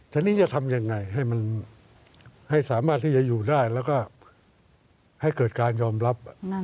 ฉะนั้นจะทำอย่างไรให้สามารถที่จะอยู่ได้แล้วก็ให้เกิดการยอมรับ